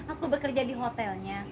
aku bekerja di hotelnya